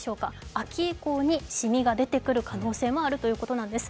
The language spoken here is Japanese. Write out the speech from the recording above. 秋以降にシミが出てくる可能性があるということなんです。